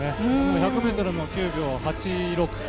１００ｍも９秒８６。